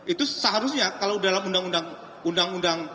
itu seharusnya kalau dalam undang undang